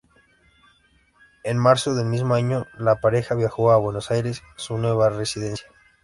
En marzo del mismo año la pareja viajó a Buenos Aires, su nueva residencia.